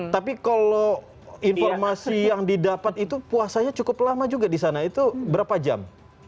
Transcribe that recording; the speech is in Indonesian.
tapi kalau informasi yang didapat itu puasanya cukup lama juga di sana itu berapa jam